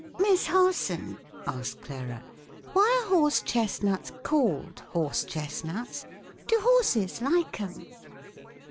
"Miss Harson," asked Clara, "why are horse chestnuts called 'horse chestnuts '? Do horses like 'em?"